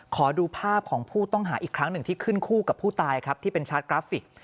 ขอดูภาพของผู้ต้องหาอีกครั้งหนึ่งที่ขึ้นคู่กับผู้ตายครับที่เป็นชาร์จกราฟิก